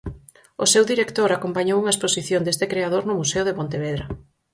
O seu director acompañou unha exposición deste creador no Museo de Pontevedra.